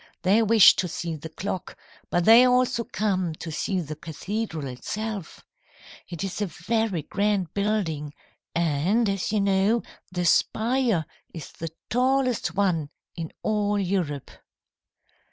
They wish to see the clock, but they also come to see the cathedral itself. It is a very grand building, and, as you know, the spire is the tallest one in all Europe.